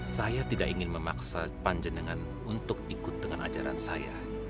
saya tidak ingin memaksa panjenengan untuk ikut dengan ajaran saya